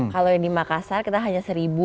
kalau yang di makassar kita hanya seribu